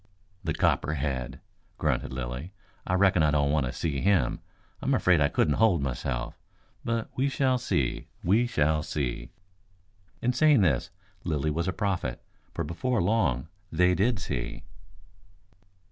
"The copperhead!" grunted Lilly. "I reckon I don't want to see him. I'm afraid I couldn't hold myself. But we shall see, we shall see." In saying this Lilly was a prophet, for before long they did see.